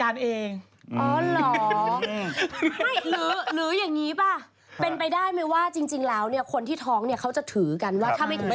ตัวนางบอกมาแล้วว่านางไม่ถือแคบ